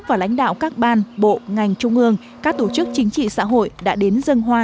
và lãnh đạo các ban bộ ngành trung ương các tổ chức chính trị xã hội đã đến dân hoa